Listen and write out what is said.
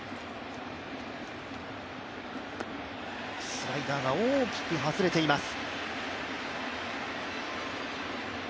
スライダーが大きく外れています。